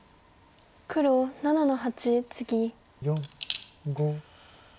黒７の八ツギ。